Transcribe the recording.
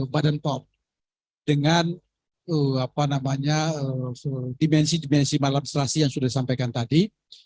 badan pom dengan dimensi dimensi malamstrasi yang sudah disampaikan tadi